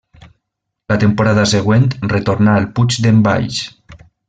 La temporada següent retornà al Puig d’en Valls.